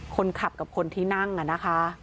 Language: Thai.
คนขับกับคนที่นั่งนะคะ